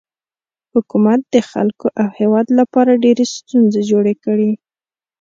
حکومت د خلکو او هیواد لپاره ډیرې ستونزې جوړې کړي.